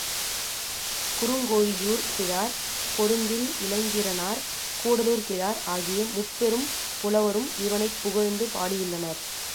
குறுங்கோழியூர் கிழார், பொருந்தில் இளங்கீரனார், கூடலூர் கிழார் ஆகிய முப்பெரும் புலவரும் இவனைப் புகழ்ந்து பாடியுள்ளனர்.